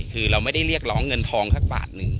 คือเราไม่ได้เรียกร้องเงินทองสักบาทหนึ่ง